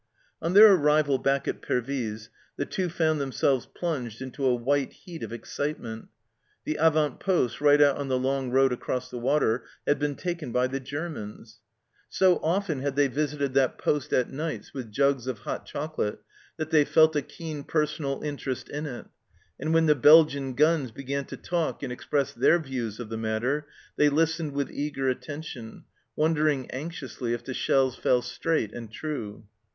On their arrival back at Pervyse the Two found themselves plunged into a white heat of excite ment ; the avant poste, right out on the long road across the water, had been taken by the Germans ! So often had they visited that poste at nights with jugs of hot chocolate that they felt a keen personal interest in it, and when the Belgian guns began to talk and express their views of the matter they listened with eager attention, wondering anxiously if the shells fell straight and true.